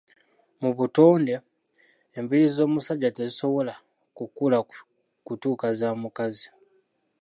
Mu butonde, enviiri ez'omusajja tezisobola kukula kutuuka za mukazi.